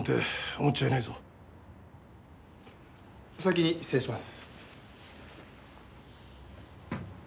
お先に失礼します。